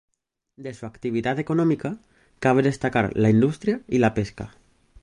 De su actividad económica cabe destacar la industria y la pesca.